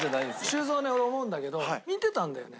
修造ね俺思うんだけど見てたんだよね？